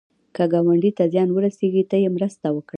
که ګاونډي ته زیان ورسېږي، ته یې مرسته وکړه